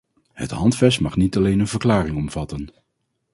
Het handvest mag niet alleen een verklaring omvatten.